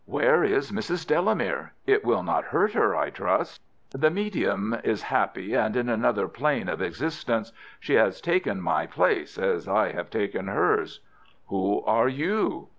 "Where is Mrs. Delamere? It will not hurt her, I trust." "The medium is happy in another plane of existence. She has taken my place, as I have taken hers." "Who are you?"